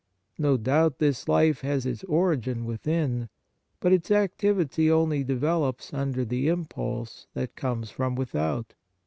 No doubt this life has its origin within ; but its activity only develops under the impulse that comes from without.